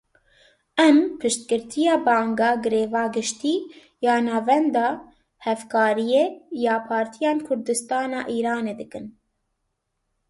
Em piştgiriya banga greva giştî ya Navenda Hevkariyê ya Partiyên Kurdistana Îranê dikin.